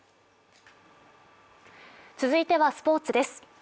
続いてはスポーツです。